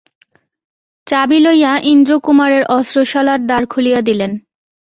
চাবি লইয়া ইন্দ্রকুমারের অস্ত্রশালার দ্বার খুলিয়া দিলেন।